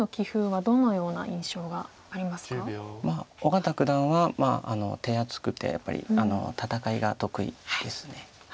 小県九段は手厚くてやっぱり戦いが得意です。